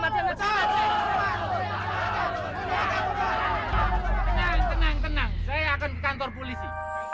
dengan tenang tenang saya akan ke kantor polisi